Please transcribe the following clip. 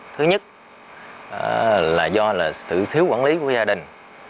thứ nhất là do sự thiếu quản lý của gia đình